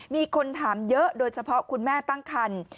มีคนถามเยอะโดยเฉพาะคุณแม่ตั้งคัน